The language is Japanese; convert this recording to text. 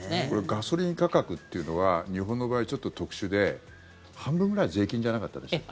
ガソリン価格というのは日本の場合、ちょっと特殊で半分ぐらい税金じゃなかったでしたっけ？